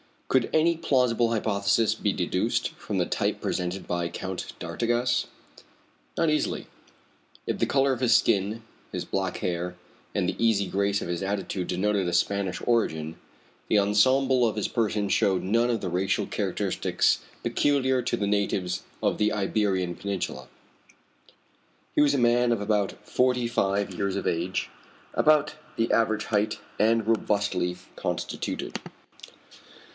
Could any plausible hypothesis be deducted from the type presented by Count d'Artigas? Not easily. If the color of his skin, his black hair, and the easy grace of his attitude denoted a Spanish origin, the ensemble of his person showed none of the racial characteristics peculiar to the natives of the Iberian peninsula. He was a man of about forty five years of age, about the average height, and robustly constituted.